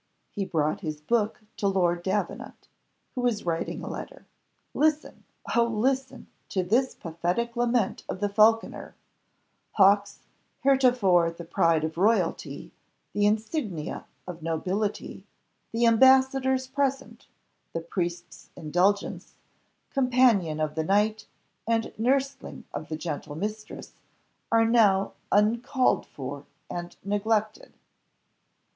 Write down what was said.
He brought his book to Lord Davenant, who was writing a letter. "Listen, oh listen! to this pathetic lament of the falconer, 'Hawks, heretofore the pride of royalty, the insignia of nobility, the ambassador's present, the priest's indulgence, companion of the knight, and nursling of the gentle mistress, are now uncalled for and neglected.